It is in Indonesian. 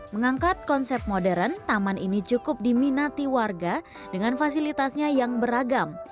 mengangkat konsep modern taman ini cukup diminati warga dengan fasilitasnya yang beragam